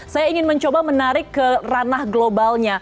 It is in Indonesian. saya ingin mencoba menarik ke ranah globalnya